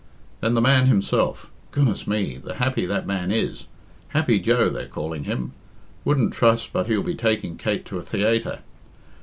Then the man himself; goodness me, the happy that man is Happy Joe they're calling him. Wouldn't trust but he'll be taking Kate to a theaytre.